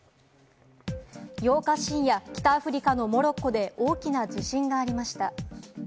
８日深夜、北アフリカのモロッコで大きな地震がありました。